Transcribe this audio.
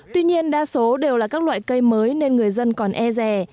tuy nhiên đa số đều là các loại cây mới nên người dân còn e rè